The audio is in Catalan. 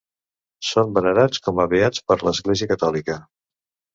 Són venerats com a beats per l'Església Catòlica.